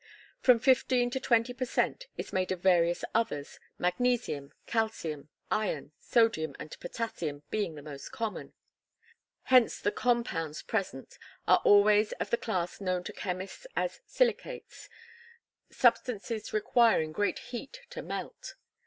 From fifteen to twenty per cent. is made of various others, magnesium, calcium, iron, sodium and potassium being most common. Hence, the compounds present are always of the class known to chemists as silicates, substances requiring great heat to melt.